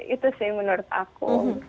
itu sih menurut aku